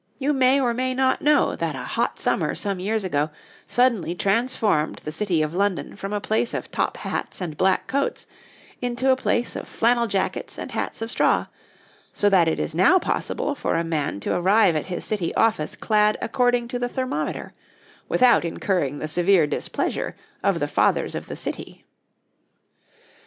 You may or may not know that a hot summer some years ago suddenly transformed the City of London from a place of top hats and black coats into a place of flannel jackets and hats of straw, so that it is now possible for a man to arrive at his City office clad according to the thermometer, without incurring the severe displeasure of the Fathers of the City.